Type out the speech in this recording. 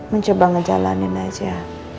mencoba ngejalanin aja